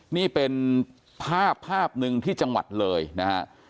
นี่เป็นภาพภาพหนึ่งที่จังหวัดเลยนะฮะ